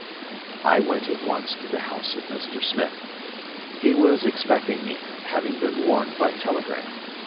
I went at once to the house of Mr. Smith. He was expecting me, having been warned by telegram.